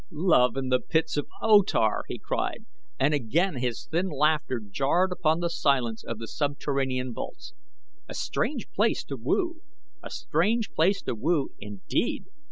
"Love in the pits of O Tar!" he cried, and again his thin laughter jarred upon the silence of the subterranean vaults. "A strange place to woo! A strange place to woo, indeed!